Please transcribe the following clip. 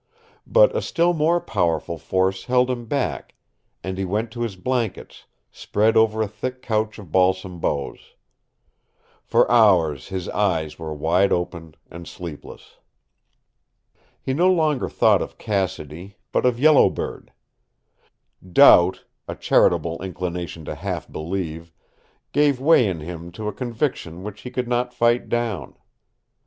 But a still more powerful force held him back, and he went to his blankets, spread over a thick couch of balsam boughs. For hours his eyes were wide open and sleepless. He no longer thought of Cassidy, but of Yellow Bird. Doubt a charitable inclination to half believe gave way in him to a conviction which he could not fight down.